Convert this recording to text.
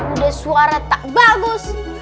udah suara tak bagus